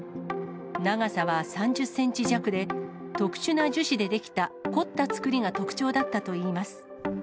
長さは３０センチ弱で、特殊な樹脂で出来た凝った作りが特徴だったといいます。